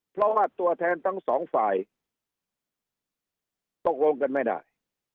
เพราะว่าตัวแทนทั้งสองฝ่ายตกลงกันไม่ได้